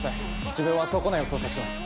自分は倉庫内を捜索します。